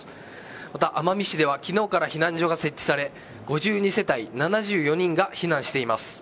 また、奄美市では昨日から避難所が設置され５２世帯７４人が避難しています。